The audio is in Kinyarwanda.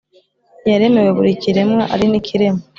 Yaremewe buri kiremwa ari n'ikirema